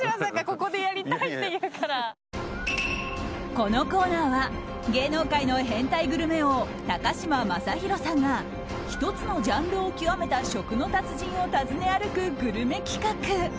このコーナーは芸能界の変態グルメ王高嶋政宏さんが１つのジャンルを極めた食の達人を訪ね歩くグルメ企画。